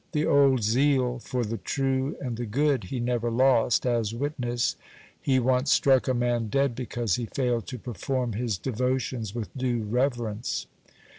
The old zeal for the true and the good he never lost, as witness, he once struck a man dead because he failed to perform his devotions with due reverence.